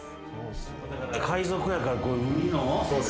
海賊やからこういう海の。